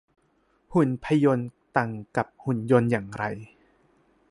หุ่นพยนต์ ต่างกับหุ่นยนต์อย่างไร